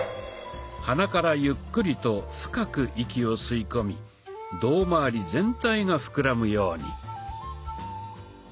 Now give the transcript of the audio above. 鼻からゆっくりと深く息を吸い込み胴まわり全体が膨らむように。